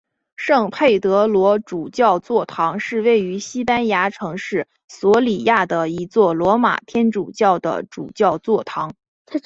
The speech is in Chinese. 圣佩德罗主教座堂是位于西班牙城市索里亚的一座罗马天主教的主教座堂。